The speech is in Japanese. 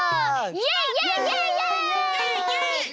イエイイエイイエイ！